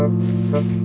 kamu mau ke rumah